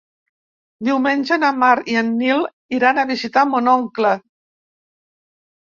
Diumenge na Mar i en Nil iran a visitar mon oncle.